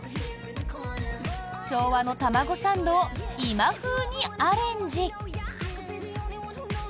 昭和の卵サンドを今風にアレンジ。